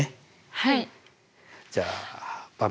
はい。